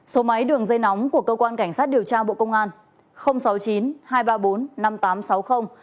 số máy đường dây nóng của cơ quan cảnh sát điều tra bộ công an